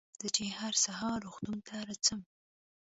زه چې هر سهار روغتون ته رڅم.